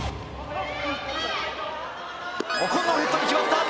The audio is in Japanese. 今度もヘッドに決まった！